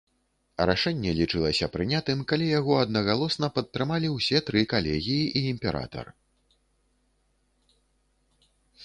Рашэнне лічылася прынятым, калі яго аднагалосна падтрымалі ўсе тры калегіі і імператар.